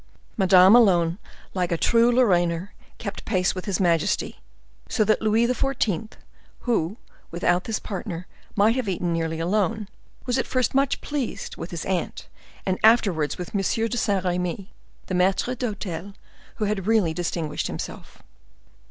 Madame alone, like a true Lorrainer, kept pace with his majesty; so that Louis XIV., who, without this partner, might have eaten nearly alone, was at first much pleased with his aunt, and afterwards with M. de Saint Remy, her maitre d'hotel, who had really distinguished himself.